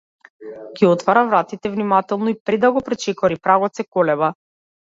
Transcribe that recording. Ги отвора вратите внимателно и, пред да го пречекори прагот, се колеба.